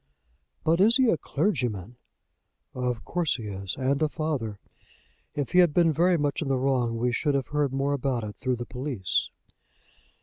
"But is he a clergyman?" "Of course he is; and a father. If he had been very much in the wrong we should have heard more about it through the police."